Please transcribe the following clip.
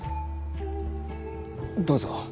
どうぞ。